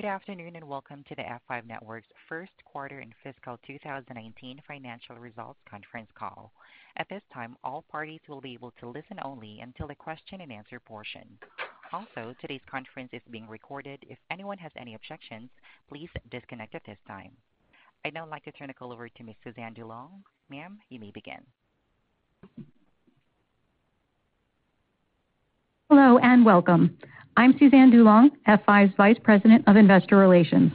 Good afternoon, and welcome to the F5 Networks' first quarter and fiscal 2019 financial results conference call. At this time, all parties will be able to listen only until the question and answer portion. Also, today's conference is being recorded. If anyone has any objections, please disconnect at this time. I'd now like to turn the call over to Ms. Suzanne DuLong. Ma'am, you may begin. Hello, welcome. I'm Suzanne DuLong, F5's Vice President of Investor Relations.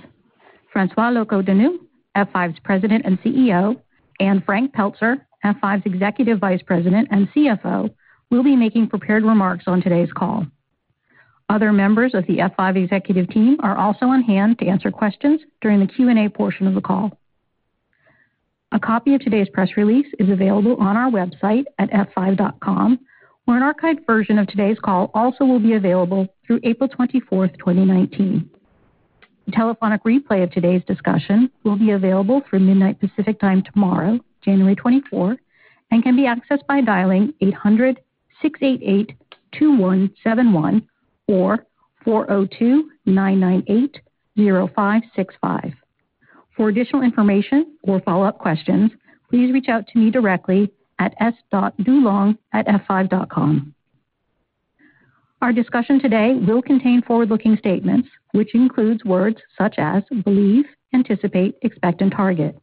François Locoh-Donou, F5's President and CEO, and Frank Pelzer, F5's Executive Vice President and CFO, will be making prepared remarks on today's call. Other members of the F5 executive team are also on hand to answer questions during the Q&A portion of the call. A copy of today's press release is available on our website at f5.com, where an archived version of today's call also will be available through April 24th, 2019. A telephonic replay of today's discussion will be available through midnight Pacific Time tomorrow, January 24, and can be accessed by dialing 800-688-2171 or 402-998-0565. For additional information or follow-up questions, please reach out to me directly at s.dulong@f5.com. Our discussion today will contain forward-looking statements, which includes words such as believe, anticipate, expect, and target.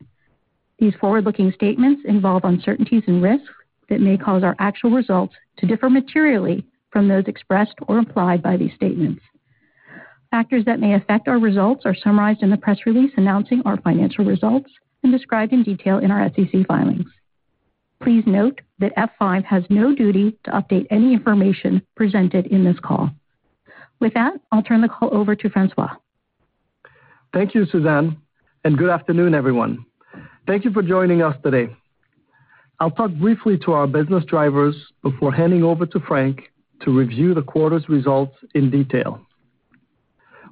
These forward-looking statements involve uncertainties and risks that may cause our actual results to differ materially from those expressed or implied by these statements. Factors that may affect our results are summarized in the press release announcing our financial results and described in detail in our SEC filings. Please note that F5 has no duty to update any information presented in this call. With that, I'll turn the call over to François. Thank you, Suzanne DuLong, and good afternoon, everyone. Thank you for joining us today. I'll talk briefly to our business drivers before handing over to Frank Pelzer to review the quarter's results in detail.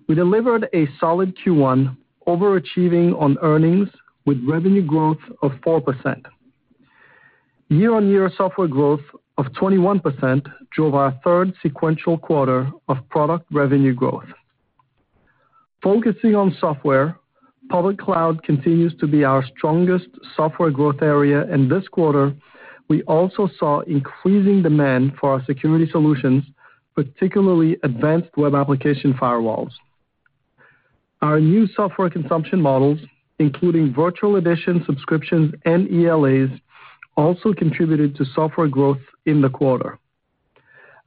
We delivered a solid Q1, overachieving on earnings with revenue growth of 4%. Year-on-year software growth of 21% drove our third sequential quarter of product revenue growth. Focusing on software, public cloud continues to be our strongest software growth area, and this quarter, we also saw increasing demand for our security solutions, particularly advanced web application firewalls. Our new software consumption models, including virtual edition subscriptions and ELAs, also contributed to software growth in the quarter.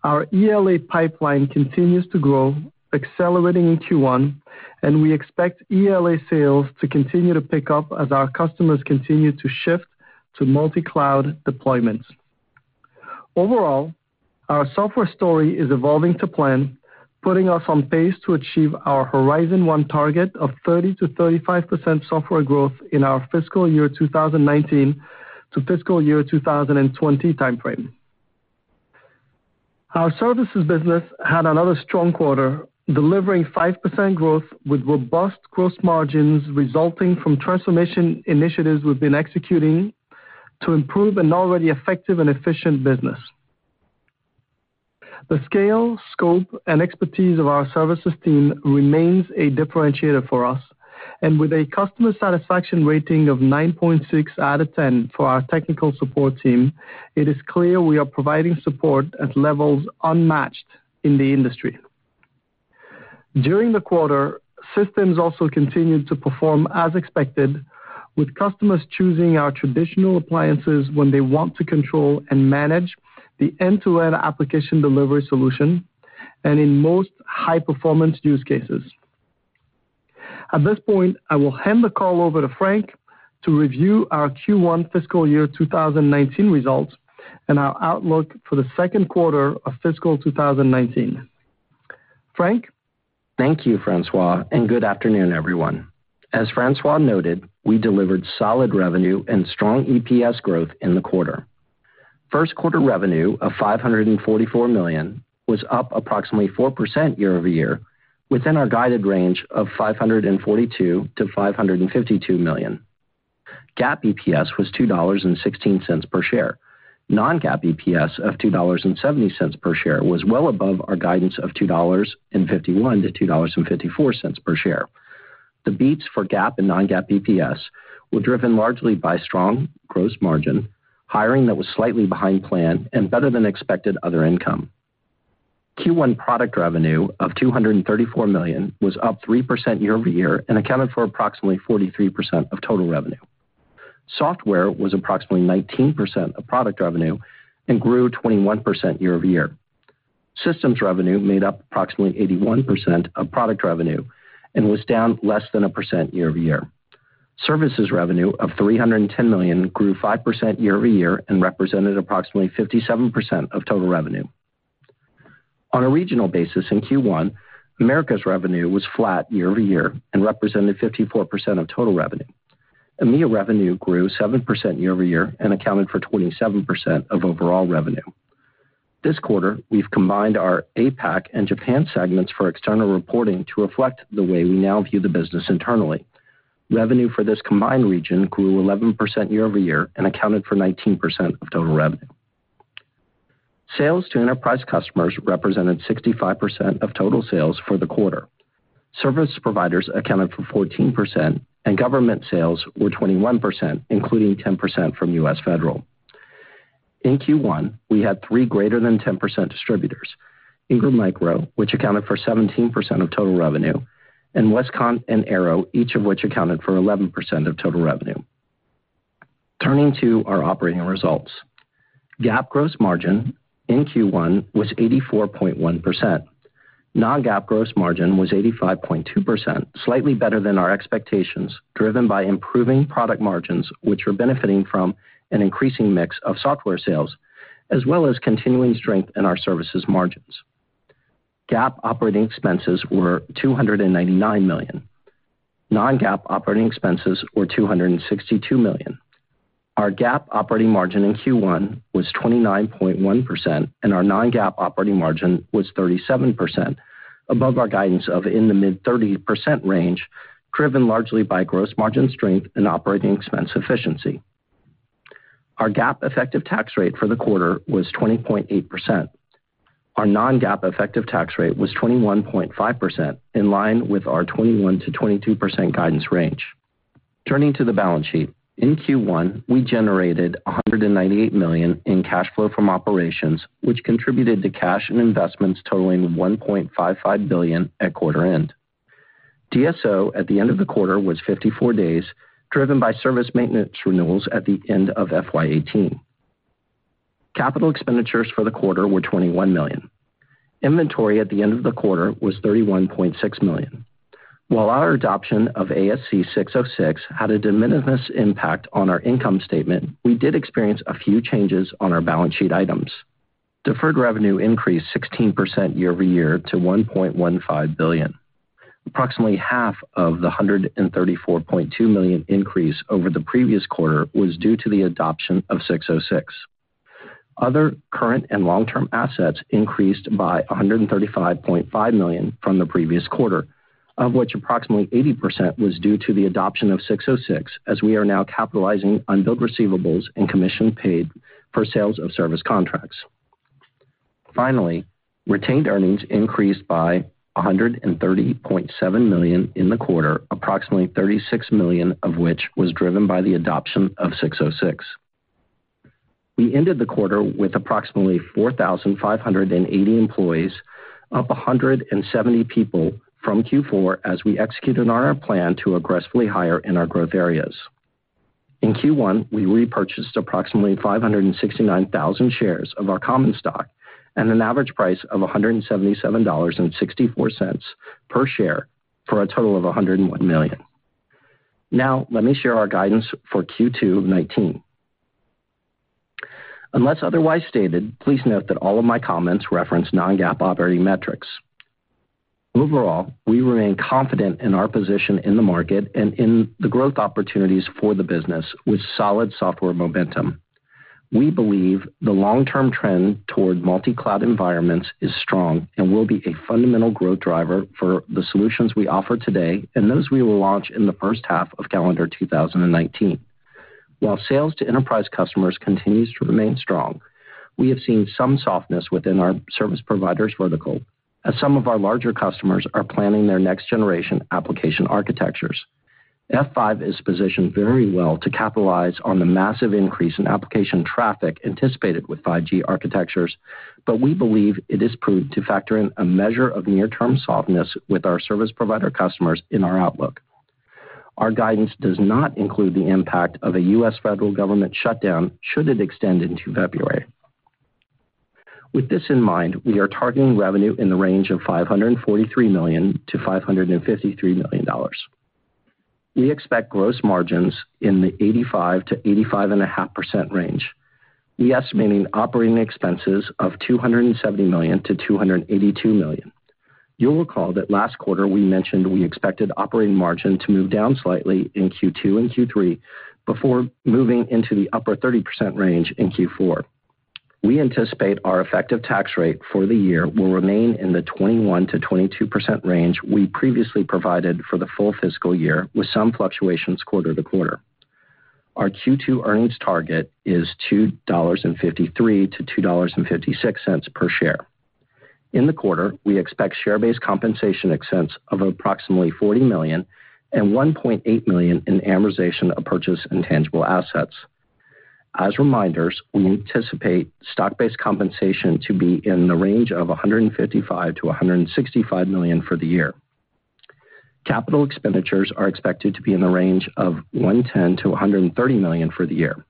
Our ELA pipeline continues to grow, accelerating in Q1, and we expect ELA sales to continue to pick up as our customers continue to shift to multi-cloud deployments. Overall, our software story is evolving to plan, putting us on pace to achieve our Horizon One target of 30%-35% software growth in our fiscal year 2019-fiscal year 2020 timeframe. Our services business had another strong quarter, delivering 5% growth with robust gross margins resulting from transformation initiatives we've been executing to improve an already effective and efficient business. The scale, scope, and expertise of our services team remains a differentiator for us, and with a customer satisfaction rating of 9.6 out of 10 for our technical support team, it is clear we are providing support at levels unmatched in the industry. During the quarter, systems also continued to perform as expected, with customers choosing our traditional appliances when they want to control and manage the end-to-end application delivery solution, and in most high-performance use cases. At this point, I will hand the call over to Frank to review our Q1 fiscal year 2019 results and our outlook for the second quarter of fiscal 2019. Frank? Thank you, François, Good afternoon, everyone. As François noted, we delivered solid revenue and strong EPS growth in the quarter. First quarter revenue of $544 million was up approximately 4% year-over-year, within our guided range of $542 million-$552 million. GAAP EPS was $2.16 per share. Non-GAAP EPS of $2.70 per share was well above our guidance of $2.51-$2.54 per share. The beats for GAAP and non-GAAP EPS were driven largely by strong gross margin, hiring that was slightly behind plan, and better than expected other income. Q1 product revenue of $234 million was up 3% year-over-year and accounted for approximately 43% of total revenue. Software was approximately 19% of product revenue and grew 21% year-over-year. Systems revenue made up approximately 81% of product revenue and was down less than 1% year-over-year. Services revenue of $310 million grew 5% year-over-year and represented approximately 57% of total revenue. On a regional basis in Q1, Americas revenue was flat year-over-year and represented 54% of total revenue. EMEA revenue grew 7% year-over-year and accounted for 27% of overall revenue. This quarter, we've combined our APAC and Japan segments for external reporting to reflect the way we now view the business internally. Revenue for this combined region grew 11% year-over-year and accounted for 19% of total revenue. Sales to enterprise customers represented 65% of total sales for the quarter. Service providers accounted for 14%, and government sales were 21%, including 10% from U.S. Federal. In Q1, we had three greater than 10% distributors, Ingram Micro, which accounted for 17% of total revenue, and Westcon and Arrow, each of which accounted for 11% of total revenue. Turning to our operating results. GAAP gross margin in Q1 was 84.1%. Non-GAAP gross margin was 85.2%, slightly better than our expectations, driven by improving product margins, which were benefiting from an increasing mix of software sales, as well as continuing strength in our services margins. GAAP operating expenses were $299 million. Non-GAAP operating expenses were $262 million. Our GAAP operating margin in Q1 was 29.1%, and our non-GAAP operating margin was 37%, above our guidance of in the mid-30% range, driven largely by gross margin strength and operating expense efficiency. Our GAAP effective tax rate for the quarter was 20.8%. Our non-GAAP effective tax rate was 21.5%, in line with our 21%-22% guidance range. Turning to the balance sheet. In Q1, we generated $198 million in cash flow from operations, which contributed to cash and investments totaling $1.55 billion at quarter end. DSO at the end of the quarter was 54 days, driven by service maintenance renewals at the end of FY 2018. Capital expenditures for the quarter were $21 million. Inventory at the end of the quarter was $31.6 million. While our adoption of ASC 606 had a de minimis impact on our income statement, we did experience a few changes on our balance sheet items. Deferred revenue increased 16% year-over-year to $1.15 billion. Approximately half of the $134.2 million increase over the previous quarter was due to the adoption of 606. Other current and long-term assets increased by $135.5 million from the previous quarter, of which approximately 80% was due to the adoption of 606, as we are now capitalizing unbilled receivables and commission paid for sales of service contracts. Finally, retained earnings increased by $130.7 million in the quarter, approximately $36 million of which was driven by the adoption of 606. We ended the quarter with approximately 4,580 employees, up 170 people from Q4, as we executed on our plan to aggressively hire in our growth areas. In Q1, we repurchased approximately 569,000 shares of our common stock at an average price of $177.64 per share for a total of $101 million. Now, let me share our guidance for Q2 2019. Unless otherwise stated, please note that all of my comments reference non-GAAP operating metrics. Overall, we remain confident in our position in the market and in the growth opportunities for the business with solid software momentum. We believe the long-term trend toward multi-cloud environments is strong and will be a fundamental growth driver for the solutions we offer today and those we will launch in the first half of calendar 2019. While sales to enterprise customers continues to remain strong, we have seen some softness within our service providers vertical as some of our larger customers are planning their next-generation application architectures. F5 is positioned very well to capitalize on the massive increase in application traffic anticipated with 5G architectures, but we believe it is prudent to factor in a measure of near-term softness with our service provider customers in our outlook. Our guidance does not include the impact of a U.S. federal government shutdown should it extend into February. With this in mind, we are targeting revenue in the range of $543 million-$553 million. We expect gross margins in the 85%-85.5% range. We're estimating operating expenses of $270 million-$282 million. You'll recall that last quarter we mentioned we expected operating margin to move down slightly in Q2 and Q3 before moving into the upper 30% range in Q4. We anticipate our effective tax rate for the year will remain in the 21%-22% range we previously provided for the full fiscal year, with some fluctuations quarter-to-quarter. Our Q2 earnings target is $2.53-$2.56 per share. In the quarter, we expect share-based compensation expense of approximately $40 million and $1.8 million in amortization of purchase intangible assets. As reminders, we anticipate stock-based compensation to be in the range of $155 million-$165 million for the year. Capital expenditures are expected to be in the range of $110 million-$130 million for the year.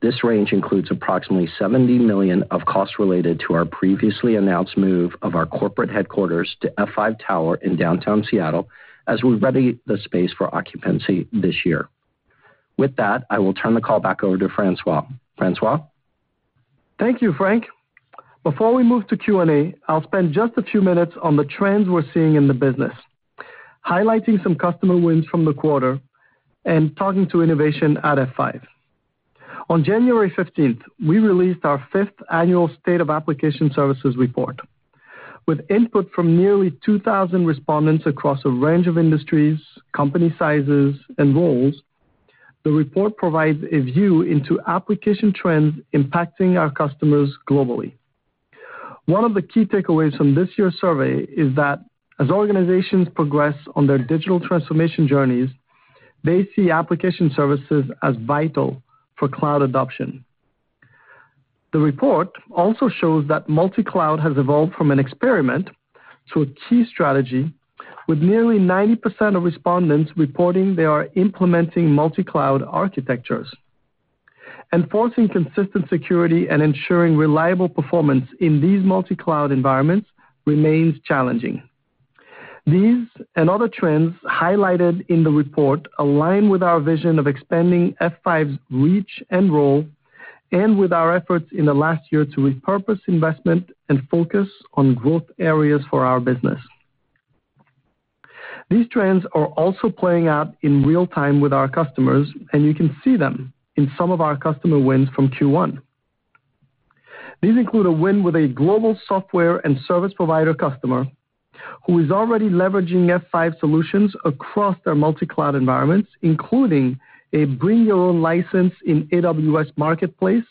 This range includes approximately $70 million of costs related to our previously announced move of our corporate headquarters to F5 Tower in downtown Seattle as we ready the space for occupancy this year. With that, I will turn the call back over to François. François? Thank you, Frank. Before we move to Q&A, I'll spend just a few minutes on the trends we're seeing in the business, highlighting some customer wins from the quarter and talking to innovation at F5. On January 15th, we released our fifth annual State of Application Services report. With input from nearly 2,000 respondents across a range of industries, company sizes, and roles, the report provides a view into application trends impacting our customers globally. One of the key takeaways from this year's survey is that as organizations progress on their digital transformation journeys, they see application services as vital for cloud adoption. The report also shows that multi-cloud has evolved from an experiment to a key strategy, with nearly 90% of respondents reporting they are implementing multi-cloud architectures. Enforcing consistent security and ensuring reliable performance in these multi-cloud environments remains challenging. These and other trends highlighted in the report align with our vision of expanding F5's reach and role, and with our efforts in the last year to repurpose investment and focus on growth areas for our business. These trends are also playing out in real-time with our customers, and you can see them in some of our customer wins from Q1. These include a win with a global software and service provider customer who is already leveraging F5 solutions across their multi-cloud environments, including a bring your own license in AWS Marketplace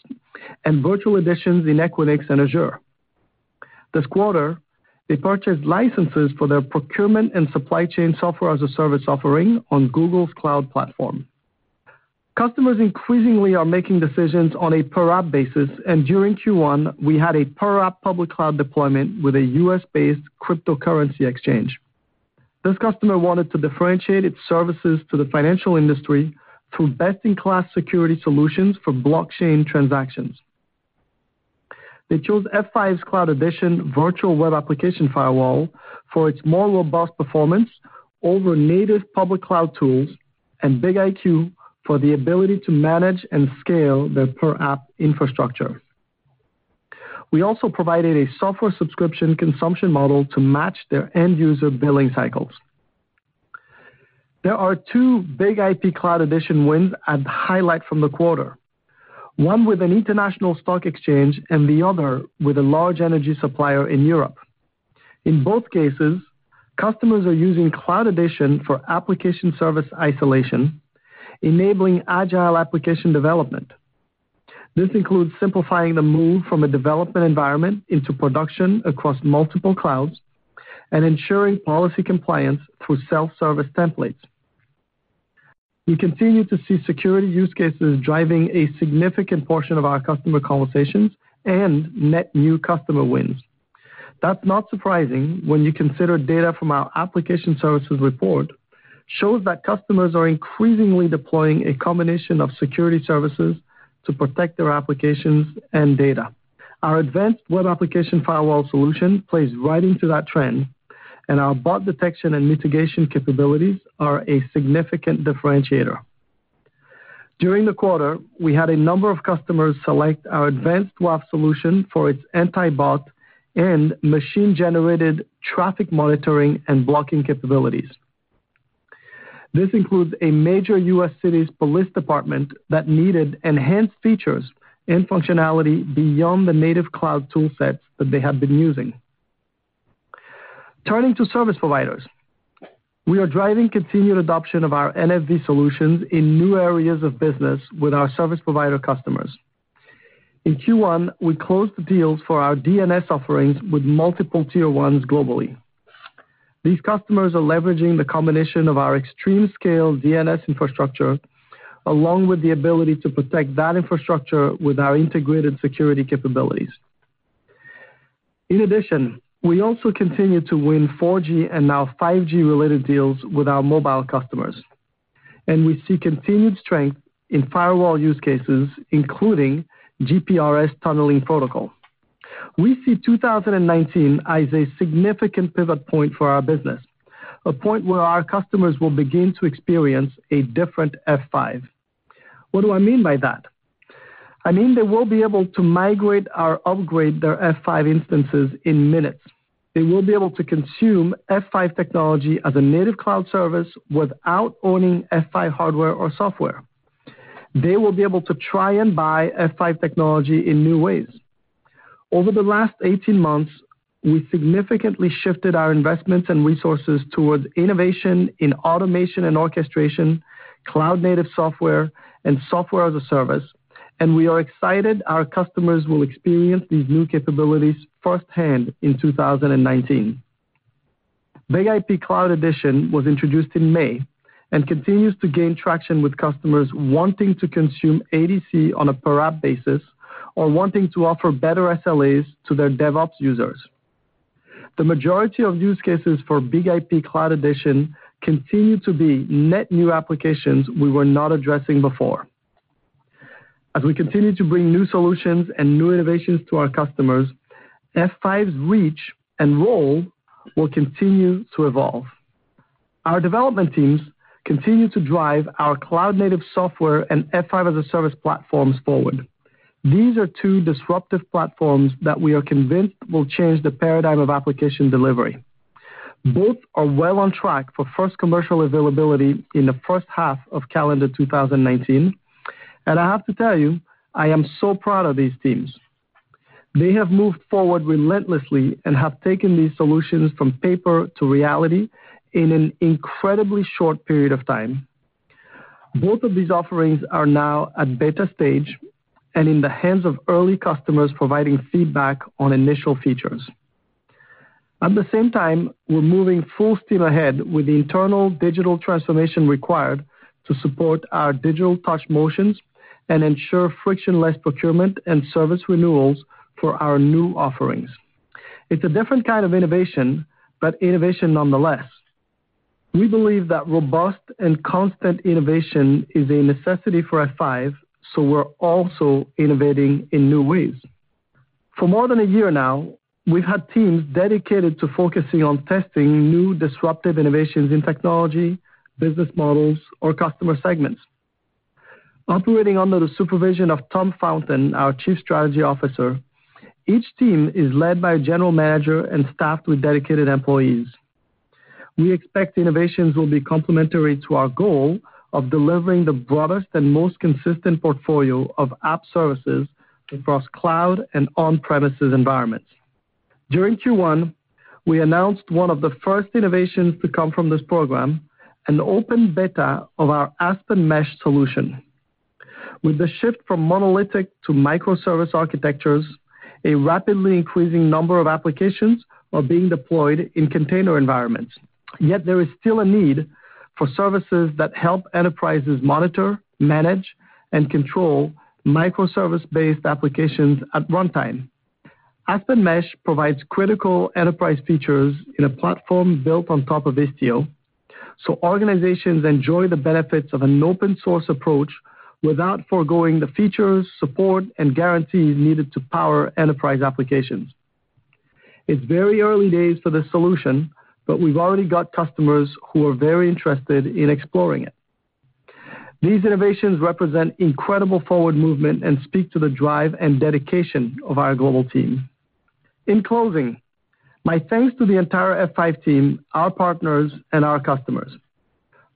and virtual editions in Equinix and Azure. This quarter, they purchased licenses for their procurement and supply chain software-as-a-service offering on Google Cloud Platform. Customers increasingly are making decisions on a per-app basis, and during Q1, we had a per-app public cloud deployment with a U.S.-based cryptocurrency exchange. This customer wanted to differentiate its services to the financial industry through best-in-class security solutions for blockchain transactions. They chose F5's Cloud Edition virtual web application firewall for its more robust performance over native public cloud tools, and BIG-IP for the ability to manage and scale their per-app infrastructure. We also provided a software subscription consumption model to match their end-user billing cycles. There are two BIG-IP Cloud Edition wins I'd highlight from the quarter, one with an international stock exchange and the other with a large energy supplier in Europe. In both cases, customers are using Cloud Edition for application service isolation, enabling agile application development. This includes simplifying the move from a development environment into production across multiple clouds and ensuring policy compliance through self-service templates. We continue to see security use cases driving a significant portion of our customer conversations and net new customer wins. That's not surprising when you consider data from our application services report shows that customers are increasingly deploying a combination of security services to protect their applications and data. Our advanced web application firewall solution plays right into that trend, and our bot detection and mitigation capabilities are a significant differentiator. During the quarter, we had a number of customers select our advanced WAF solution for its anti-bot and machine-generated traffic monitoring and blocking capabilities. This includes a major U.S. city's police department that needed enhanced features and functionality beyond the native cloud tool sets that they had been using. Turning to service providers, we are driving continued adoption of our NFV solutions in new areas of business with our service provider customers. In Q1, we closed deals for our DNS offerings with multiple tier 1s globally. These customers are leveraging the combination of our extreme-scale DNS infrastructure, along with the ability to protect that infrastructure with our integrated security capabilities. In addition, we also continue to win 4G and now 5G-related deals with our mobile customers, and we see continued strength in firewall use cases, including GPRS Tunneling Protocol. We see 2019 as a significant pivot point for our business, a point where our customers will begin to experience a different F5. What do I mean by that? I mean they will be able to migrate or upgrade their F5 instances in minutes. They will be able to consume F5 technology as a native cloud service without owning F5 hardware or software. They will be able to try and buy F5 technology in new ways. Over the last 18 months, we significantly shifted our investments and resources towards innovation in automation and orchestration, cloud-native software, and software-as-a-service, and we are excited our customers will experience these new capabilities firsthand in 2019. BIG-IP Cloud Edition was introduced in May and continues to gain traction with customers wanting to consume ADC on a per-app basis or wanting to offer better SLAs to their DevOps users. The majority of use cases for BIG-IP Cloud Edition continue to be net new applications we were not addressing before. As we continue to bring new solutions and new innovations to our customers, F5's reach and role will continue to evolve. Our development teams continue to drive our cloud-native software and F5 as a service platforms forward. These are two disruptive platforms that we are convinced will change the paradigm of application delivery. Both are well on track for first commercial availability in the first half of calendar 2019. I have to tell you, I am so proud of these teams. They have moved forward relentlessly and have taken these solutions from paper to reality in an incredibly short period of time. Both of these offerings are now at beta stage and in the hands of early customers providing feedback on initial features. At the same time, we're moving full steam ahead with the internal digital transformation required to support our digital touch motions and ensure frictionless procurement and service renewals for our new offerings. It's a different kind of innovation, but innovation nonetheless. We believe that robust and constant innovation is a necessity for F5, so we're also innovating in new ways. For more than a year now, we've had teams dedicated to focusing on testing new disruptive innovations in technology, business models, or customer segments. Operating under the supervision of Tom Fountain, our Chief Strategy Officer, each team is led by a general manager and staffed with dedicated employees. We expect innovations will be complementary to our goal of delivering the broadest and most consistent portfolio of app services across cloud and on-premises environments. During Q1, we announced one of the first innovations to come from this program, an open beta of our Aspen Mesh solution. With the shift from monolithic to microservice architectures, a rapidly increasing number of applications are being deployed in container environments. There is still a need for services that help enterprises monitor, manage, and control microservice-based applications at runtime. Aspen Mesh provides critical enterprise features in a platform built on top of Istio, so organizations enjoy the benefits of an open-source approach without foregoing the features, support, and guarantees needed to power enterprise applications. It's very early days for this solution, but we've already got customers who are very interested in exploring it. These innovations represent incredible forward movement and speak to the drive and dedication of our global team. In closing, my thanks to the entire F5 team, our partners, and our customers.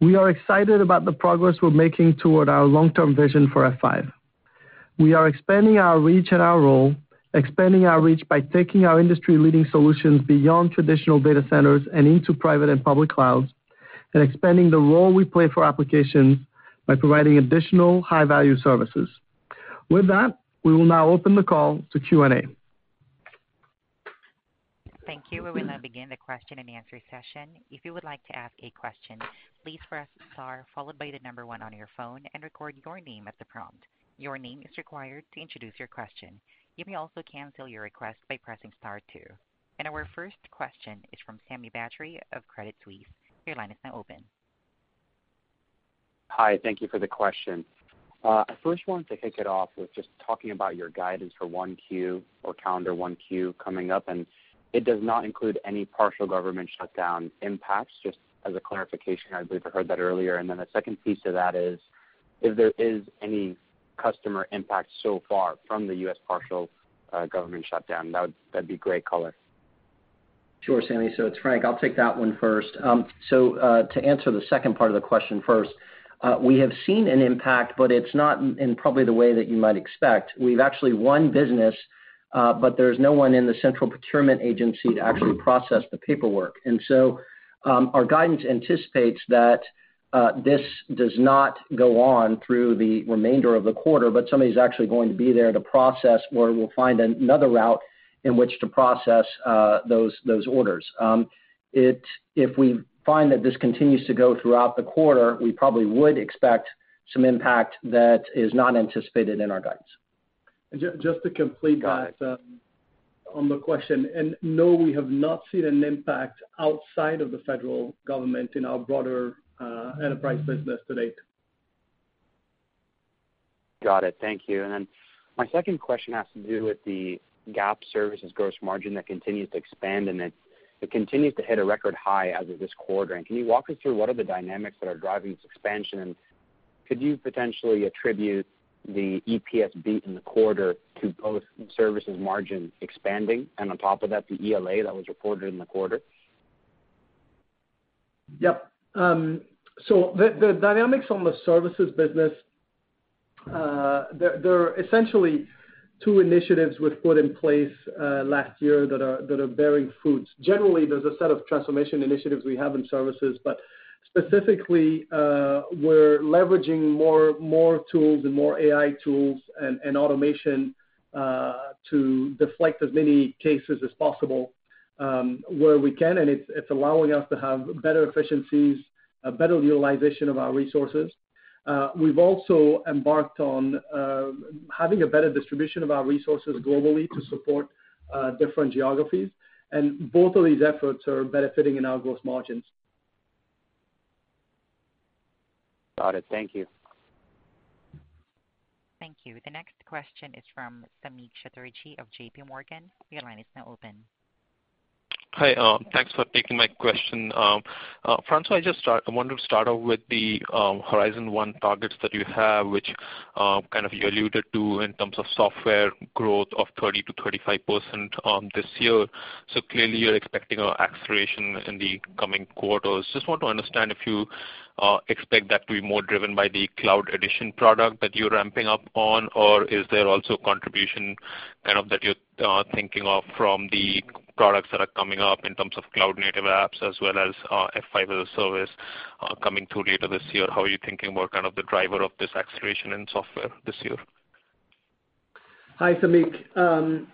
We are excited about the progress we're making toward our long-term vision for F5. We are expanding our reach and our role, expanding our reach by taking our industry-leading solutions beyond traditional data centers and into private and public clouds, and expanding the role we play for applications by providing additional high-value services. With that, we will now open the call to Q&A. Thank you. We will now begin the question and answer session. If you would like to ask a question, please press star followed by the number one on your phone and record your name at the prompt. Your name is required to introduce your question. You may also cancel your request by pressing star two. Our first question is from Sami Badri of Credit Suisse. Your line is now open. Hi, thank you for the question. I first wanted to kick it off with just talking about your guidance for 1Q or calendar 1Q coming up, and it does not include any partial government shutdown impacts, just as a clarification. I believe I heard that earlier. The second piece of that is, if there is any customer impact so far from the U.S. partial government shutdown. That'd be great color. Sure, Sami. It's Frank. I'll take that one first. To answer the second part of the question first, we have seen an impact, but it's not in probably the way that you might expect. We've actually won business, but there's no one in the central procurement agency to actually process the paperwork. Our guidance anticipates that this does not go on through the remainder of the quarter, but somebody's actually going to be there to process, or we'll find another route in which to process those orders. If we find that this continues to go throughout the quarter, we probably would expect some impact that is not anticipated in our guidance. Just to complete that. Got it. on the question. No, we have not seen an impact outside of the Federal Government in our broader enterprise business to date. Got it. Thank you. Then my second question has to do with the GAAP services gross margin that continues to expand, and it continues to hit a record high as of this quarter. Can you walk us through what are the dynamics that are driving this expansion? Could you potentially attribute the EPS beat in the quarter to both services margin expanding and on top of that, the ELA that was reported in the quarter? Yep. The dynamics on the services business, there are essentially two initiatives we've put in place last year that are bearing fruits. Generally, there's a set of transformation initiatives we have in services, but specifically, we're leveraging more tools and more AI tools and automation to deflect as many cases as possible, where we can, and it's allowing us to have better efficiencies, a better utilization of our resources. We've also embarked on having a better distribution of our resources globally to support different geographies. Both of these efforts are benefiting in our gross margins. Got it. Thank you. Thank you. The next question is from Samik Chatterjee of JP Morgan. Your line is now open. Hi. Thanks for taking my question. François, I wanted to start off with the Horizon One targets that you have, which you alluded to in terms of software growth of 30%-35% this year. Clearly you're expecting acceleration in the coming quarters. Just want to understand if you expect that to be more driven by the Cloud Edition product that you're ramping up on, or is there also contribution that you're thinking of from the products that are coming up in terms of Cloud-Native apps as well as F5 as a service coming through later this year? How are you thinking about the driver of this acceleration in software this year? Hi, Samik.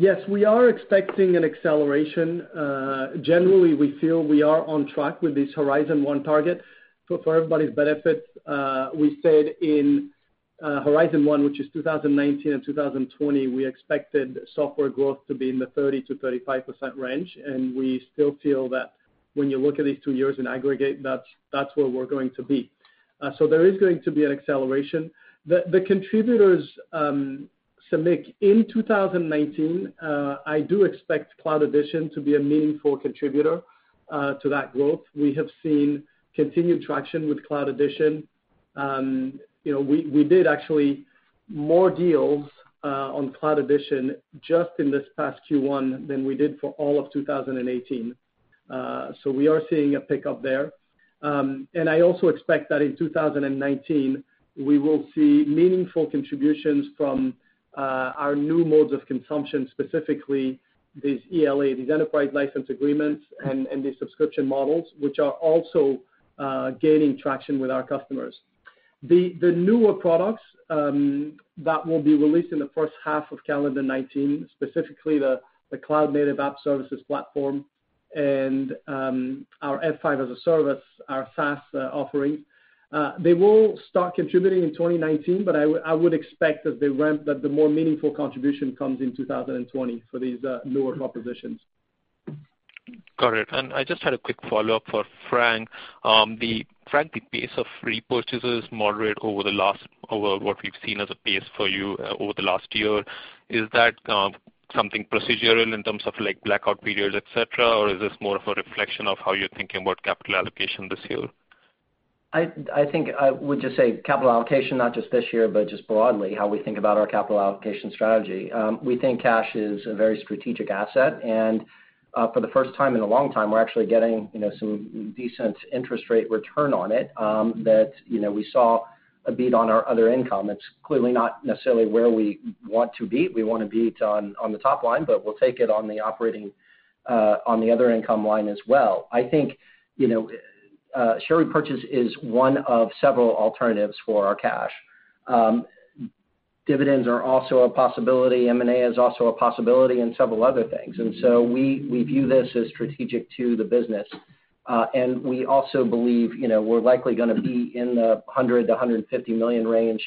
Yes, we are expecting an acceleration. Generally, we feel we are on track with this Horizon One target. For everybody's benefit, we said in Horizon One, which is 2019 and 2020, we expected software growth to be in the 30%-35% range, we still feel that when you look at these two years in aggregate, that's where we're going to be. There is going to be an acceleration. The contributors, Samik, in 2019, I do expect Cloud Edition to be a meaningful contributor to that growth. We have seen continued traction with Cloud Edition. We did actually more deals on Cloud Edition just in this past Q1 than we did for all of 2018. We are seeing a pickup there. I also expect that in 2019, we will see meaningful contributions from our new modes of consumption, specifically these ELA, these enterprise license agreements, the subscription models, which are also gaining traction with our customers. The newer products that will be released in the first half of calendar 2019, specifically the Cloud-Native App Services platform and our F5 as a service, our FaaS offering, they will start contributing in 2019, I would expect that the more meaningful contribution comes in 2020 for these newer propositions. Got it. I just had a quick follow-up for Frank. Frank, the pace of repurchases moderate over what we've seen as a pace for you over the last year. Is that something procedural in terms of blackout periods, et cetera? Or is this more of a reflection of how you're thinking about capital allocation this year? I think I would just say capital allocation, not just this year, but just broadly how we think about our capital allocation strategy. We think cash is a very strategic asset, and for the first time in a long time, we're actually getting some decent interest rate return on it that we saw a beat on our other income. It's clearly not necessarily where we want to beat. We want to beat on the top line, but we'll take it on the other income line as well. I think share repurchase is one of several alternatives for our cash. Dividends are also a possibility. M&A is also a possibility and several other things. We view this as strategic to the business. We also believe we're likely going to be in the $100 million-$150 million range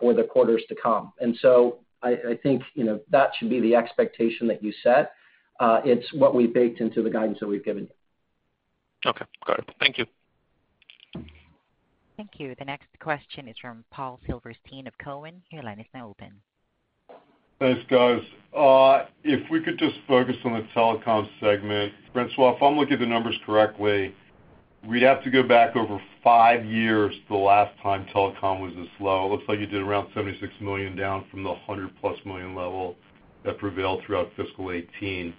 for the quarters to come. I think that should be the expectation that you set. It's what we baked into the guidance that we've given you. Okay, got it. Thank you. Thank you. The next question is from Paul Silverstein of Cowen. Your line is now open. Thanks, guys. If we could just focus on the telecom segment. François, if I'm looking at the numbers correctly, we'd have to go back over five years to the last time telecom was this low. It looks like you did around $76 million down from the $100+ million level that prevailed throughout fiscal 2018.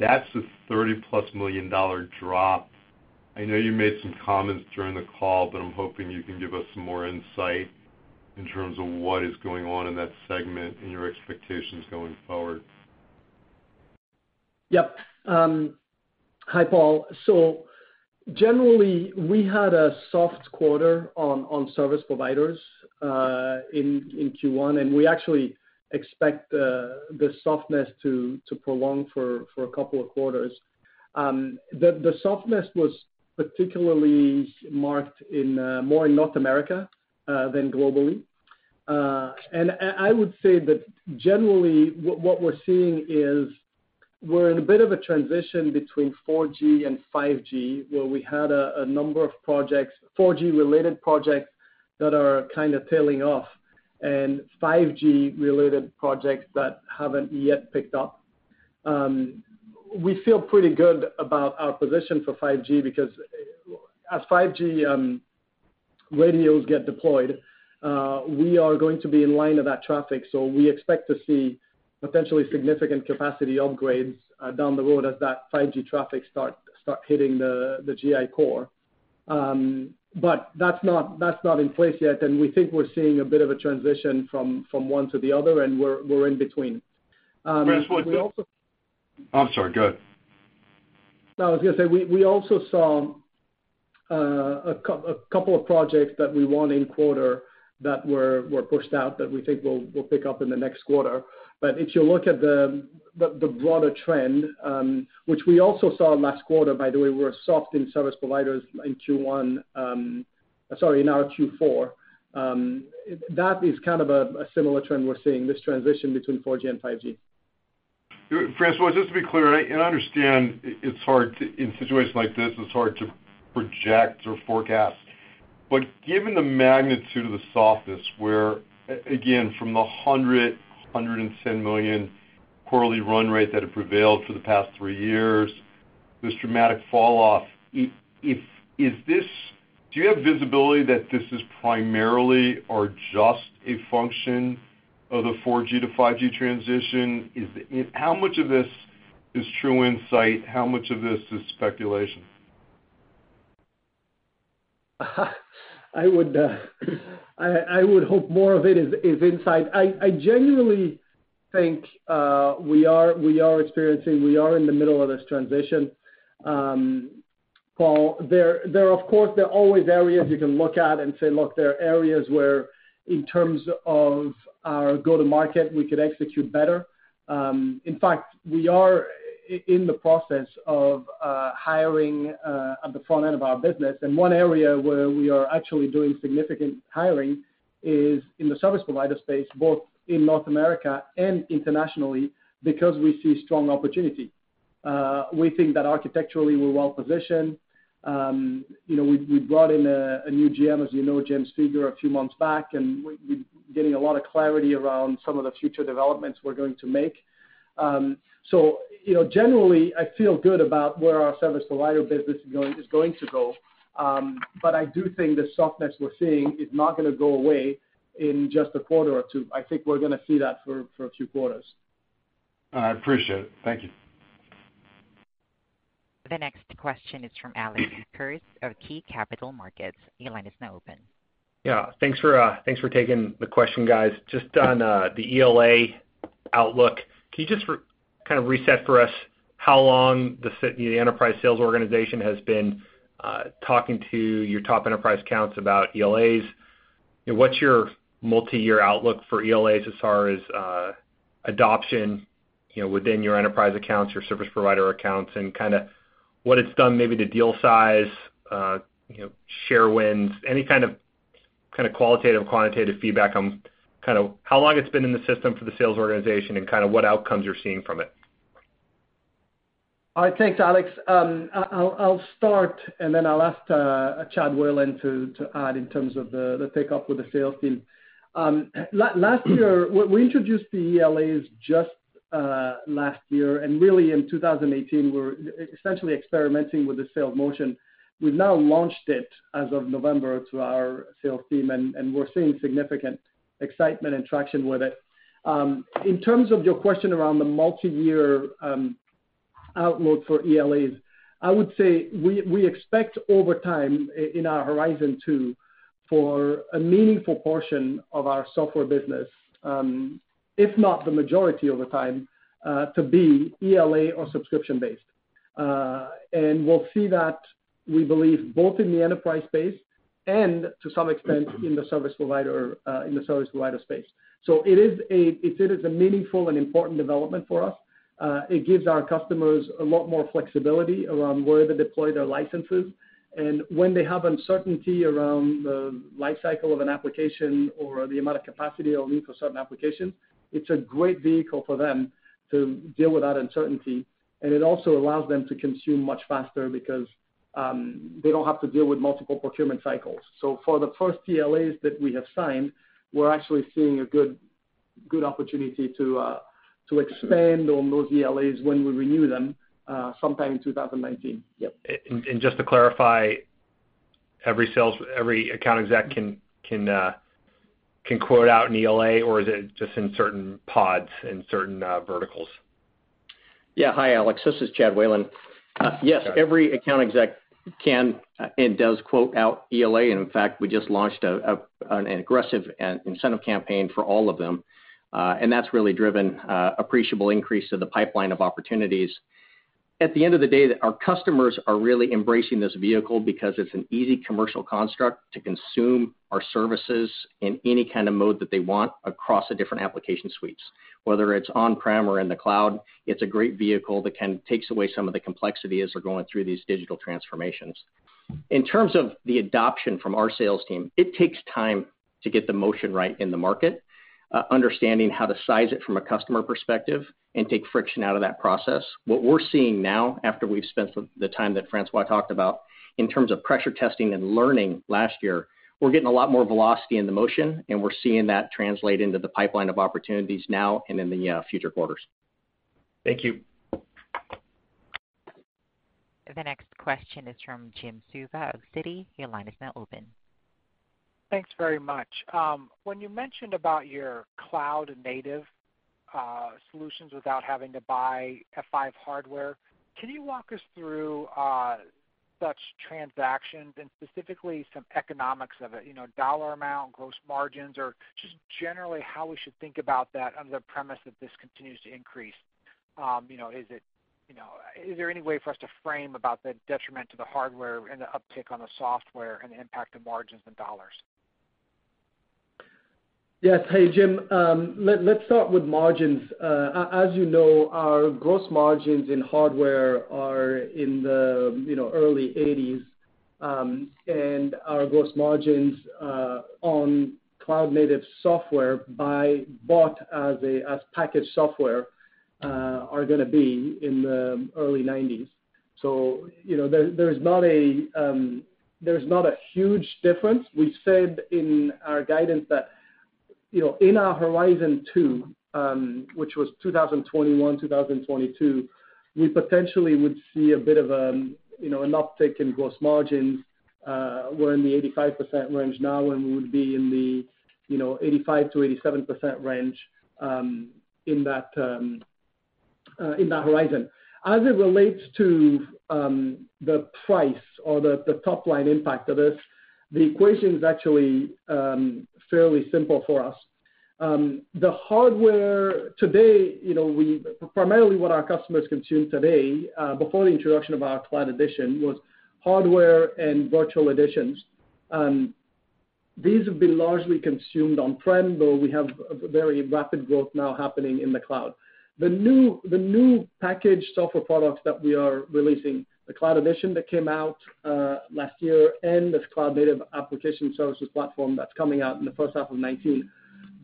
That's a $30+ million drop. I know you made some comments during the call, but I'm hoping you can give us some more insight in terms of what is going on in that segment and your expectations going forward. Yep. Hi, Paul. Generally, we had a soft quarter on service providers in Q1, and we actually expect the softness to prolong for a couple of quarters. The softness was particularly marked more in North America than globally. I would say that generally what we're seeing is we're in a bit of a transition between 4G and 5G, where we had a number of 4G-related projects that are kind of tailing off and 5G-related projects that haven't yet picked up. We feel pretty good about our position for 5G because as 5G radios get deployed, we are going to be in line of that traffic. We expect to see potentially significant capacity upgrades down the road as that 5G traffic start hitting the Gi core. That's not in place yet, we think we're seeing a bit of a transition from one to the other, we're in between. François. Oh, I'm sorry, go ahead. I was going to say, we also saw a couple of projects that we won in quarter that were pushed out that we think will pick up in the next quarter. If you look at the broader trend, which we also saw last quarter, by the way, we were soft in service providers in Q1. Sorry, now Q4. That is kind of a similar trend we're seeing, this transition between 4G and 5G. François, just to be clear. I understand in situations like this, it's hard to project or forecast. Given the magnitude of the softness where, again, from the $100 million-$110 million quarterly run rate that have prevailed for the past three years, this dramatic fall off, do you have visibility that this is primarily or just a function of the 4G to 5G transition? How much of this is true insight? How much of this is speculation? I would hope more of it is insight. I genuinely think we are experiencing, we are in the middle of this transition, Paul. There are, of course, always areas you can look at and say, "Look, there are areas where in terms of our go to market we could execute better." In fact, we are in the process of hiring at the front end of our business. One area where we are actually doing significant hiring is in the service provider space, both in North America and internationally, because we see strong opportunity. We think that architecturally we're well-positioned. We brought in a new GM, as you know, James Feger, a few months back, and we're getting a lot of clarity around some of the future developments we're going to make. Generally I feel good about where our service provider business is going to go. I do think the softness we're seeing is not going to go away in just a quarter or two. I think we're going to see that for a few quarters. I appreciate it. Thank you. The next question is from Alex Kurtz of KeyBanc Capital Markets. Your line is now open. Thanks for taking the question, guys. Just on the ELA outlook, can you just kind of reset for us how long the enterprise sales organization has been talking to your top enterprise accounts about ELAs? What's your multi-year outlook for ELAs as far as adoption within your enterprise accounts, your service provider accounts, and what it's done maybe to deal size, share wins? Any kind of qualitative, quantitative feedback on how long it's been in the system for the sales organization, and what outcomes you're seeing from it. Thanks, Alex. I'll start. Then I'll ask Chad Whalen to add in terms of the take-up with the sales team. We introduced the ELAs just last year. Really in 2018 were essentially experimenting with the sales motion. We've now launched it as of November to our sales team. We're seeing significant excitement and traction with it. In terms of your question around the multi-year outlook for ELAs, I would say we expect over time, in our Horizon 2, for a meaningful portion of our software business, if not the majority over time, to be ELA or subscription-based. We'll see that, we believe, both in the enterprise space and to some extent in the service provider space. It is a meaningful and important development for us. It gives our customers a lot more flexibility around where to deploy their licenses. When they have uncertainty around the life cycle of an application or the amount of capacity they'll need for certain applications, it's a great vehicle for them to deal with that uncertainty. It also allows them to consume much faster because they don't have to deal with multiple procurement cycles. For the first ELAs that we have signed, we're actually seeing a good opportunity to expand on those ELAs when we renew them sometime in 2019. Yep. Just to clarify, every account exec can quote out an ELA, or is it just in certain pods, in certain verticals? Yeah. Hi, Alex. This is Chad Whalen. Yes, every account exec can and does quote out ELA. In fact, we just launched an aggressive incentive campaign for all of them. That's really driven appreciable increase of the pipeline of opportunities. At the end of the day, our customers are really embracing this vehicle because it's an easy commercial construct to consume our services in any kind of mode that they want across the different application suites. Whether it's on-prem or in the cloud, it's a great vehicle that kind of takes away some of the complexity as we're going through these digital transformations. In terms of the adoption from our sales team, it takes time to get the motion right in the market, understanding how to size it from a customer perspective and take friction out of that process. What we're seeing now, after we've spent the time that François talked about in terms of pressure testing and learning last year, we're getting a lot more velocity in the motion, and we're seeing that translate into the pipeline of opportunities now and in the future quarters. Thank you. The next question is from Jim Suva of Citi. Your line is now open. Thanks very much. When you mentioned about your cloud-native solutions without having to buy F5 hardware, can you walk us through such transactions and specifically some economics of it, dollar amount, gross margins, or just generally how we should think about that under the premise that this continues to increase? Is there any way for us to frame about the detriment to the hardware and the uptick on the software and the impact to margins and dollars? Yes. Hey, Jim. Let's start with margins. As you know, our gross margins in hardware are in the early 80s, and our gross margins on cloud native software bought as packaged software are going to be in the early 90s. There's not a huge difference. We said in our guidance that in our Horizon 2, which was 2021, 2022, we potentially would see a bit of an uptick in gross margins. We're in the 85% range now, and we would be in the 85%-87% range in that Horizon. As it relates to the price or the top-line impact of this, the equation's actually fairly simple for us. The hardware today, primarily what our customers consume today, before the introduction of our Cloud Edition, was hardware and virtual editions. These have been largely consumed on-prem, though we have very rapid growth now happening in the cloud. The new packaged software products that we are releasing, the Cloud Edition that came out last year, and this Cloud-Native App Services platform that's coming out in the first half of 2019,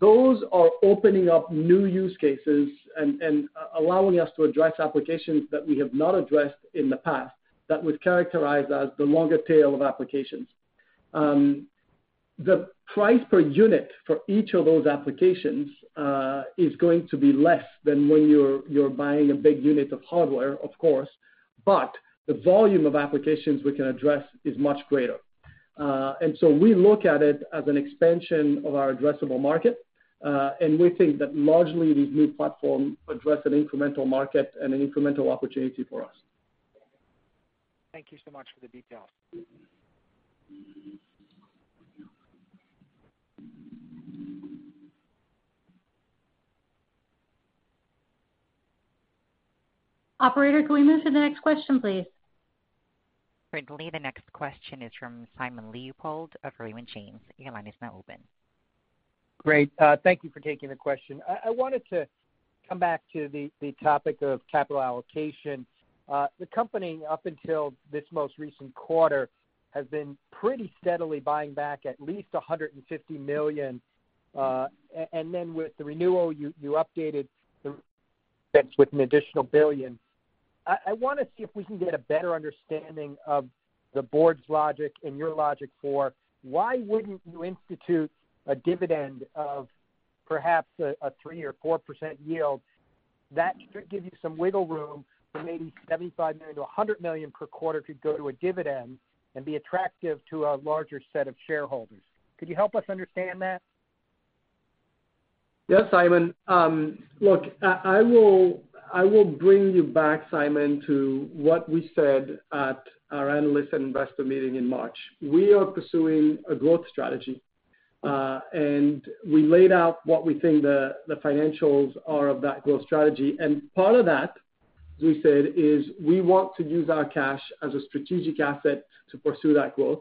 those are opening up new use cases and allowing us to address applications that we have not addressed in the past, that we've characterized as the longer tail of applications. The price per unit for each of those applications is going to be less than when you're buying a big unit of hardware, of course. The volume of applications we can address is much greater. We look at it as an expansion of our addressable market. We think that largely these new platform address an incremental market and an incremental opportunity for us. Thank you so much for the details. Operator, can we move to the next question, please? Certainly. The next question is from Simon Leopold of Raymond James. Your line is now open. Great. Thank you for taking the question. I wanted to come back to the topic of capital allocation. The company, up until this most recent quarter, has been pretty steadily buying back at least $150 million. With the renewal, you updated the with an additional $1 billion. I want to see if we can get a better understanding of the board's logic and your logic for why wouldn't you institute a dividend of perhaps a 3% or 4% yield that should give you some wiggle room for maybe $75 million-$100 million per quarter could go to a dividend and be attractive to a larger set of shareholders. Could you help us understand that? Yes, Simon. Look, I will bring you back, Simon, to what we said at our analyst investor meeting in March. We are pursuing a growth strategy. We laid out what we think the financials are of that growth strategy. Part of that, as we said, is we want to use our cash as a strategic asset to pursue that growth,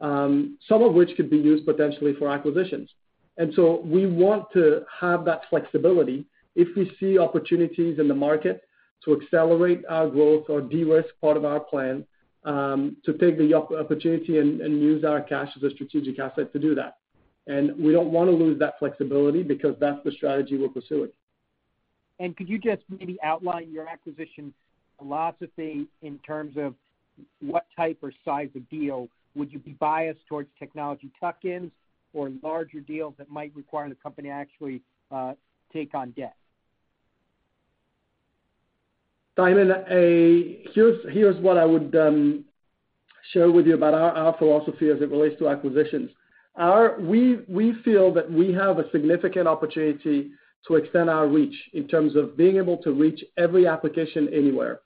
some of which could be used potentially for acquisitions. We want to have that flexibility if we see opportunities in the market to accelerate our growth or de-risk part of our plan to take the opportunity and use our cash as a strategic asset to do that. We don't want to lose that flexibility because that's the strategy we're pursuing. Could you just maybe outline your acquisition philosophy in terms of what type or size of deal, would you be biased towards technology tuck-ins or larger deals that might require the company to actually take on debt? Simon, here's what I would share with you about our philosophy as it relates to acquisitions. We feel that we have a significant opportunity to extend our reach in terms of being able to reach every application anywhere.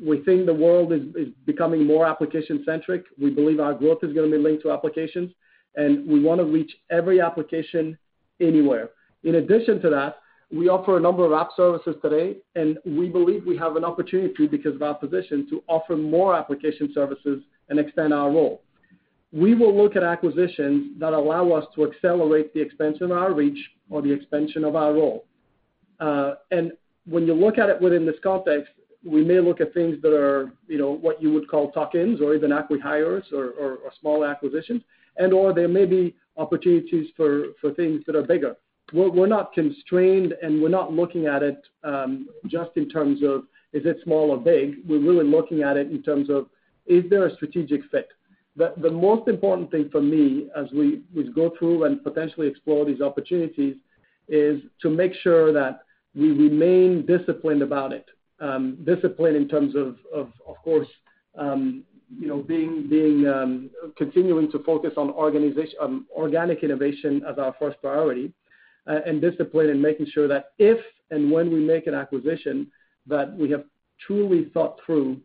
We think the world is becoming more application-centric. We believe our growth is going to be linked to applications, and we want to reach every application anywhere. In addition to that, we offer a number of app services today, and we believe we have an opportunity, because of our position, to offer more application services and extend our role. We will look at acquisitions that allow us to accelerate the expansion of our reach or the expansion of our role. When you look at it within this context, we may look at things that are what you would call tuck-ins or even acqui-hires or small acquisitions, and/or there may be opportunities for things that are bigger. We're not constrained, and we're not looking at it just in terms of, is it small or big? We're really looking at it in terms of, is there a strategic fit? The most important thing for me as we go through and potentially explore these opportunities is to make sure that we remain disciplined about it. Disciplined in terms of course continuing to focus on organic innovation as our first priority, and discipline in making sure that if and when we make an acquisition, that we have truly thought through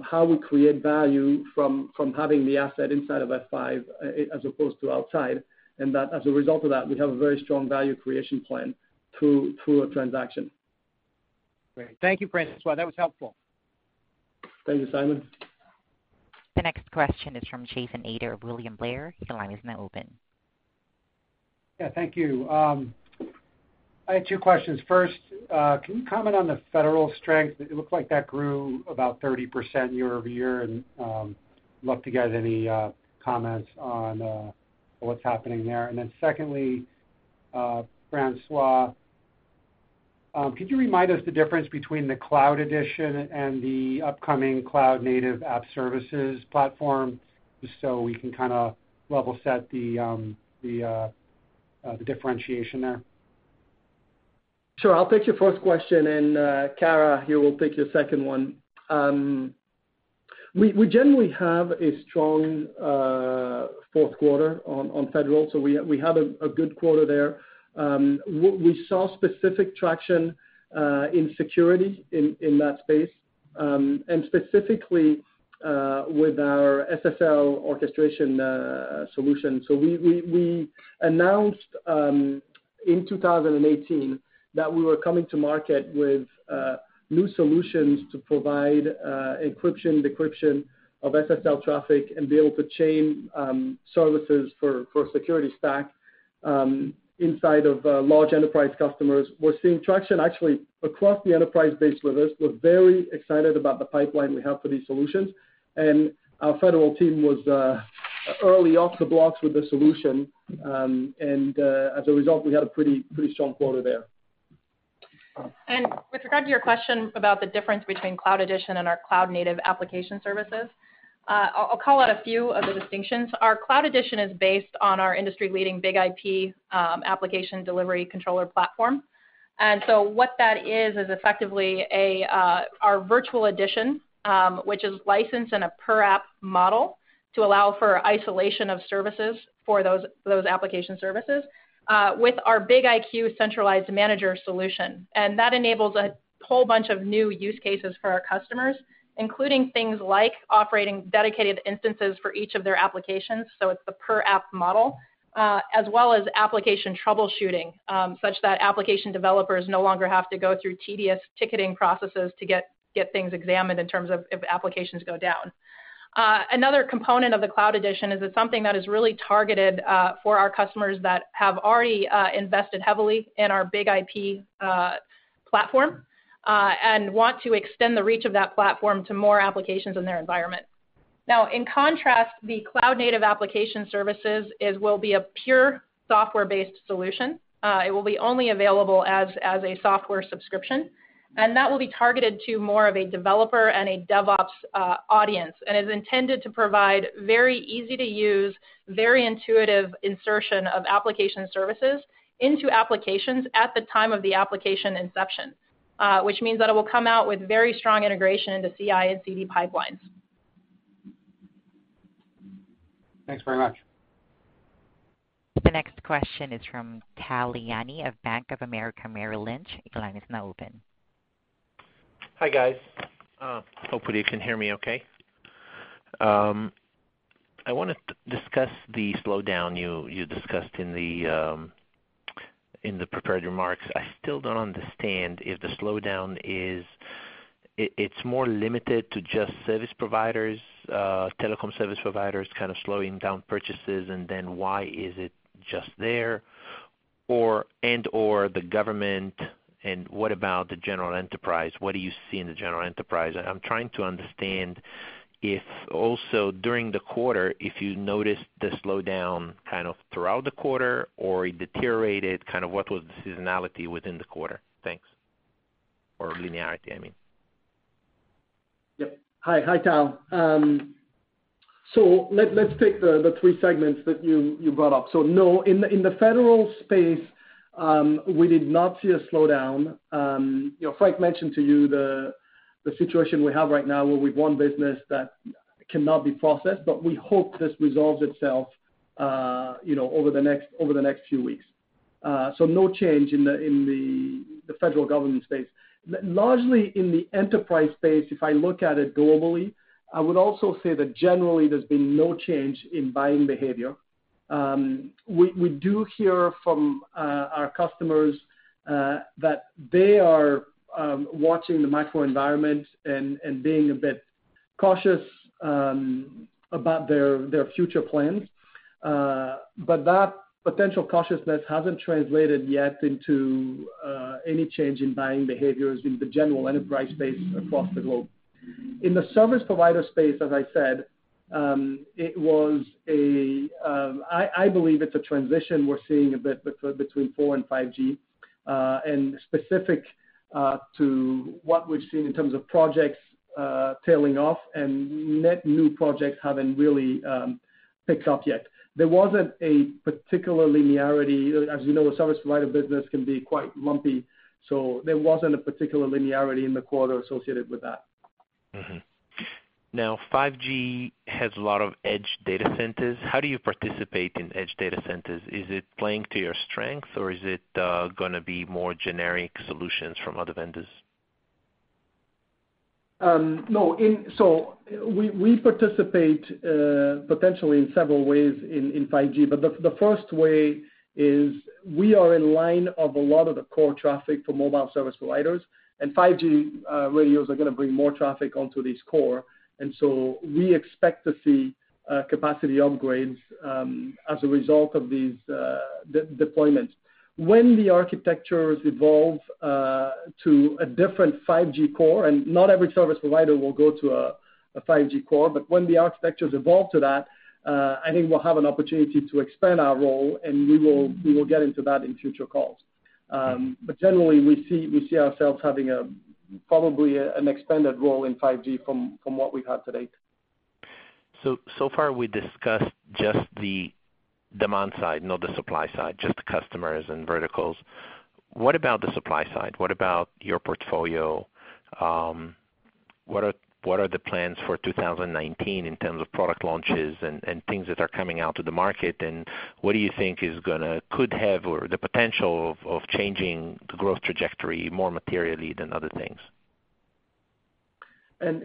how we create value from having the asset inside of F5 as opposed to outside. That as a result of that, we have a very strong value creation plan through a transaction. Great. Thank you, François. That was helpful. Thank you, Simon. The next question is from Jason Ader of William Blair. Your line is now open. Yeah. Thank you. I had two questions. First, can you comment on the federal strength? It looks like that grew about 30% year-over-year, and love to get any comments on what's happening there. Secondly, François, could you remind us the difference between the Cloud Edition and the upcoming Cloud-Native App Services platform just so we can level set the differentiation there? Sure. I'll take your first question, Kara here will take your second one. We generally have a strong fourth quarter on federal, we had a good quarter there. We saw specific traction in security in that space, and specifically with our SSL orchestration solution. We announced in 2018 that we were coming to market with new solutions to provide encryption, decryption of SSL traffic and be able to chain services for security stack inside of large enterprise customers. We're seeing traction actually across the enterprise base with this. We're very excited about the pipeline we have for these solutions, and our federal team was early off the blocks with the solution. As a result, we had a pretty strong quarter there. With regard to your question about the difference between Cloud Edition and our Cloud-Native App Services, I'll call out a few of the distinctions. Our Cloud Edition is based on our industry-leading BIG-IP application delivery controller platform. What that is effectively our virtual edition, which is licensed in a per app model to allow for isolation of services for those application services, with our BIG-IQ centralized manager solution. That enables a whole bunch of new use cases for our customers, including things like operating dedicated instances for each of their applications, so it's the per app model, as well as application troubleshooting, such that application developers no longer have to go through tedious ticketing processes to get things examined in terms of if applications go down. Another component of the Cloud Edition is it's something that is really targeted for our customers that have already invested heavily in our BIG-IP platform, want to extend the reach of that platform to more applications in their environment. Now, in contrast, the Cloud-Native App Services will be a pure software-based solution. It will be only available as a software subscription, that will be targeted to more of a developer and a DevOps audience. Is intended to provide very easy to use, very intuitive insertion of application services into applications at the time of the application inception, which means that it will come out with very strong integration into CI and CD pipelines. Thanks very much. The next question is from Tal Liani of Bank of America Merrill Lynch. Your line is now open. Hi, guys. Hopefully you can hear me okay. I want to discuss the slowdown you discussed in the prepared remarks. I still don't understand if the slowdown is more limited to just service providers, telecom service providers kind of slowing down purchases, why is it just there? The government, what about the general enterprise? What do you see in the general enterprise? I'm trying to understand if also during the quarter, if you noticed the slowdown kind of throughout the quarter or it deteriorated, kind of what was the seasonality within the quarter? Thanks. Linearity, I mean. Yep. Hi, Tal. Let's take the three segments that you brought up. No, in the federal space, we did not see a slowdown. Frank mentioned to you the situation we have right now where we've one business that cannot be processed, but we hope this resolves itself over the next few weeks. No change in the federal government space. Largely in the enterprise space, if I look at it globally, I would also say that generally there's been no change in buying behavior. We do hear from our customers that they are watching the microenvironment and being a bit cautious about their future plans. That potential cautiousness hasn't translated yet into any change in buying behaviors in the general enterprise space across the globe. In the service provider space, as I said, I believe it's a transition we're seeing a bit between 4G and 5G, specific to what we've seen in terms of projects tailing off and net new projects haven't really picked up yet. There wasn't a particular linearity. As we know, a service provider business can be quite lumpy, there wasn't a particular linearity in the quarter associated with that. 5G has a lot of edge data centers. How do you participate in edge data centers? Is it playing to your strength, or is it going to be more generic solutions from other vendors? No. We participate potentially in several ways in 5G, the first way is we are in line of a lot of the core traffic for mobile service providers. 5G radios are going to bring more traffic onto this core. We expect to see capacity upgrades as a result of these deployments. When the architectures evolve to a different 5G core, not every service provider will go to a 5G core, when the architectures evolve to that, I think we'll have an opportunity to expand our role, we will get into that in future calls. Generally, we see ourselves having probably an expanded role in 5G from what we have to date. Far we discussed just the demand side, not the supply side, just the customers and verticals. What about the supply side? What about your portfolio? What are the plans for 2019 in terms of product launches and things that are coming out to the market, what do you think could have or the potential of changing the growth trajectory more materially than other things?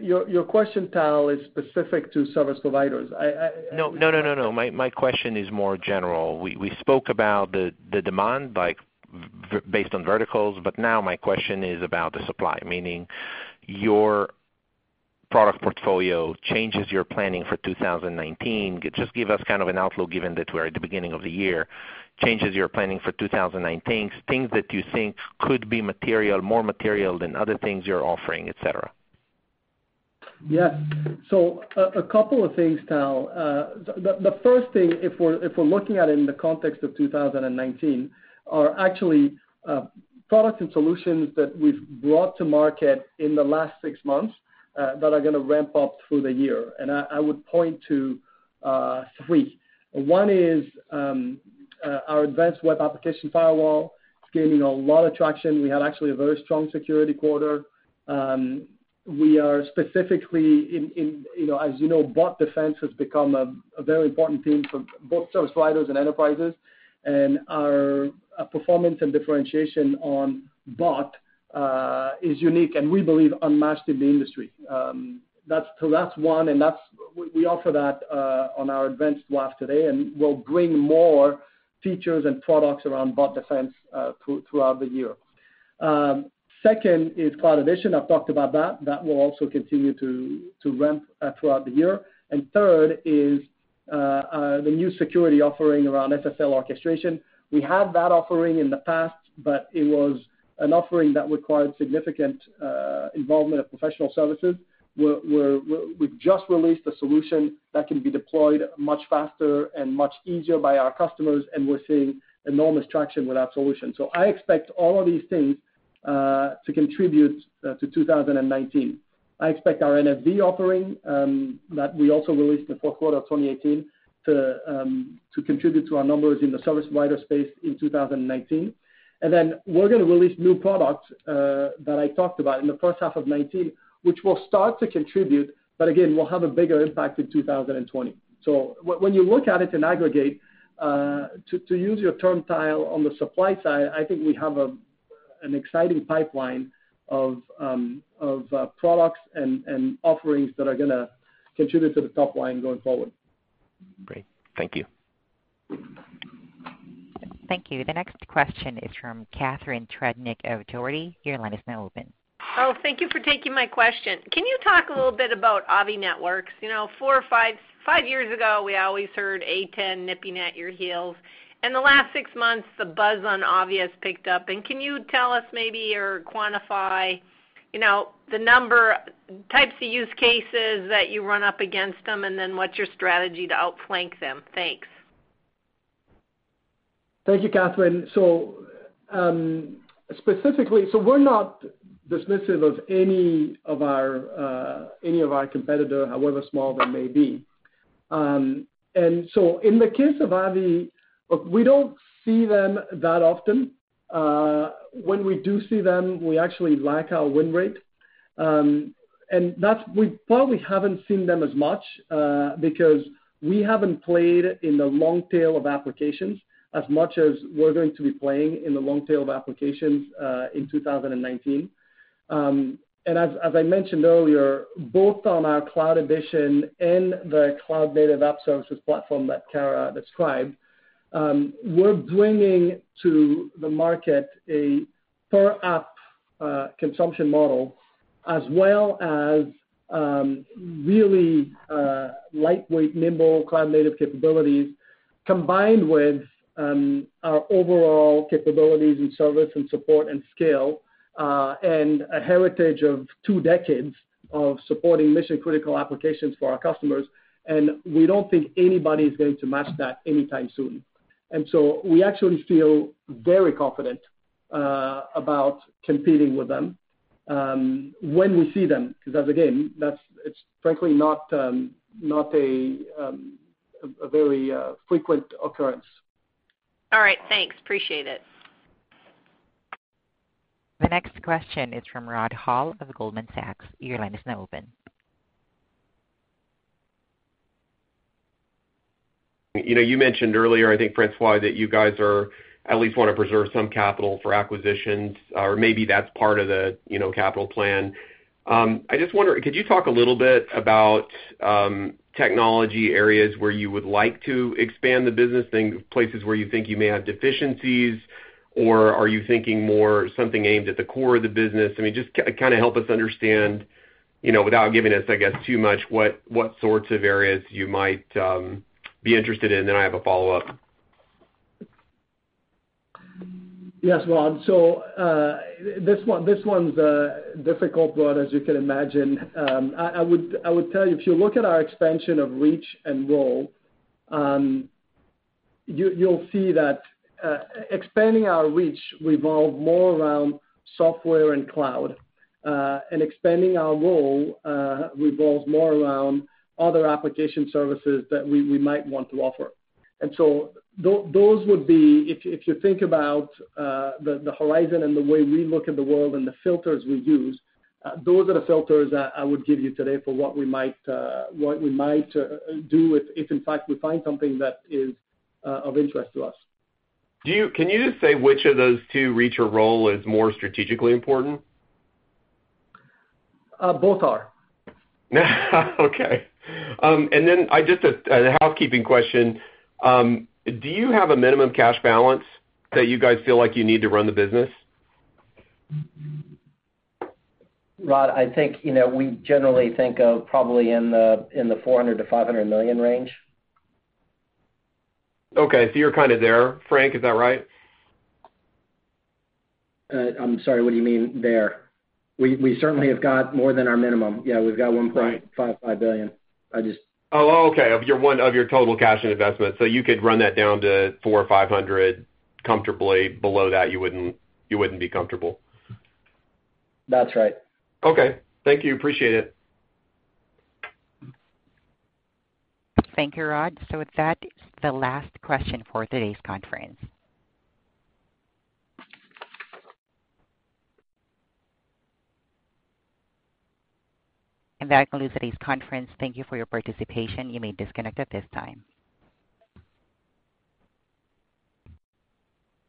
Your question, Tal, is specific to service providers. No. My question is more general. We spoke about the demand based on verticals, now my question is about the supply, meaning your product portfolio changes your planning for 2019. Just give us an outlook, given that we're at the beginning of the year, changes you're planning for 2019, things that you think could be more material than other things you're offering, et cetera. Yes. A couple of things, Tal. The first thing, if we're looking at it in the context of 2019, are actually products and solutions that we've brought to market in the last six months that are going to ramp up through the year. I would point to three. One is our Advanced Web Application Firewall. It's gaining a lot of traction. We had actually a very strong security quarter. We are specifically in, as you know, bot defense has become a very important theme for both service providers and enterprises, and our performance and differentiation on bot is unique, and we believe unmatched in the industry. That's one. We offer that on our Advanced WAF today, and we'll bring more features and products around bot defense throughout the year. Second is Cloud Edition. I've talked about that. That will also continue to ramp throughout the year. Third is the new security offering around SSL orchestration. We had that offering in the past, but it was an offering that required significant involvement of professional services. We've just released a solution that can be deployed much faster and much easier by our customers, and we're seeing enormous traction with that solution. I expect all of these things to contribute to 2019. I expect our NFV offering, that we also released in the fourth quarter of 2018, to contribute to our numbers in the service provider space in 2019. We're going to release new products that I talked about in the first half of 2019, which will start to contribute, but again, will have a bigger impact in 2020. When you look at it in aggregate, to use your term, Tal, on the supply side, I think we have an exciting pipeline of products and offerings that are going to contribute to the top line going forward. Great. Thank you. Thank you. The next question is from Catharine Trebnick of Dougherty. Your line is now open. Oh, thank you for taking my question. Can you talk a little bit about Avi Networks? Five years ago, we always heard A10 nipping at your heels. In the last six months, the buzz on Avi has picked up, can you tell us maybe or quantify the number, types of use cases that you run up against them, then what's your strategy to outflank them? Thanks. Thank you, Catharine. Specifically, we're not dismissive of any of our competitor, however small they may be. In the case of Avi, we don't see them that often. When we do see them, we actually like our win rate. We probably haven't seen them as much because we haven't played in the long tail of applications as much as we're going to be playing in the long tail of applications in 2019. As I mentioned earlier, both on our Cloud Edition and the Cloud-Native App Services platform that Kara described, we're bringing to the market a per app consumption model, as well as really lightweight, nimble, cloud-native capabilities, combined with our overall capabilities in service and support and scale, and a heritage of two decades of supporting mission-critical applications for our customers. We don't think anybody's going to match that anytime soon. We actually feel very confident about competing with them, when we see them, because as again, it's frankly not a very frequent occurrence. All right, thanks. Appreciate it. The next question is from Rod Hall of Goldman Sachs. Your line is now open. You mentioned earlier, I think, François, that you guys at least want to preserve some capital for acquisitions, or maybe that's part of the capital plan. I just wonder, could you talk a little bit about technology areas where you would like to expand the business, places where you think you may have deficiencies? Or are you thinking more something aimed at the core of the business? Just help us understand, without giving us, I guess, too much, what sorts of areas you might be interested in. I have a follow-up. Yes, Rod. This one's difficult, Rod, as you can imagine. I would tell you, if you look at our expansion of reach and role, you'll see that expanding our reach revolved more around software and cloud, and expanding our role revolves more around other application services that we might want to offer. Those would be, if you think about the horizon and the way we look at the world and the filters we use, those are the filters I would give you today for what we might do if in fact we find something that is of interest to us. Can you just say which of those two, reach or role, is more strategically important? Both are. Okay. Then just a housekeeping question. Do you have a minimum cash balance that you guys feel like you need to run the business? Rod, I think, we generally think of probably in the $400 million-$500 million range. Okay, you're kind of there. Frank, is that right? I'm sorry, what do you mean there? We certainly have got more than our minimum. Yeah, we've got $1.55 billion. Oh, okay. Of your total cash and investments. You could run that down to $400 or $500 comfortably. Below that, you wouldn't be comfortable. That's right. Okay. Thank you. Appreciate it. Thank you, Rod. With that, the last question for today's conference. That concludes today's conference. Thank you for your participation. You may disconnect at this time.